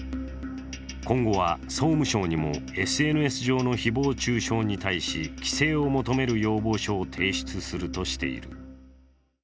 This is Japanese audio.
今後は総務省にもＳＮＳ上の誹謗中傷に対し規制を求める要望書を提出するとしている。